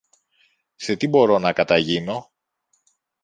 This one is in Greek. Σε τι μπορώ να καταγίνω;